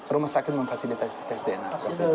rumah sakit memfasilitasi tes dna